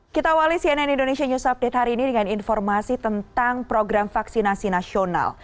kita awali cnn indonesia news update hari ini dengan informasi tentang program vaksinasi nasional